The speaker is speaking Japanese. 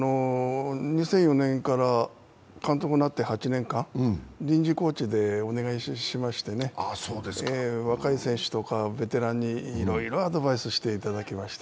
２００４年から監督になって８年間臨時コーチでお願いしまして若い選手とかベテランにいろいろアドバイスしていただきまして。